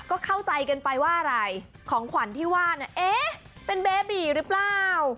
ก็เข้าใจกันไปว่าอะไรของขวัญที่ว่าเนี่ยเอ๊ะเป็นเบบีหรือเปล่า